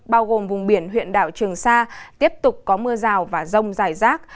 bao gồm vùng biển huyện đảo trường sa tiếp tục có mưa rào và rông dài rác